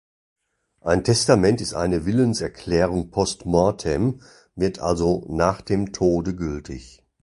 Ein Testament ist eine Willenserklärung "post mortem", wird also „nach dem Tode“ gültig.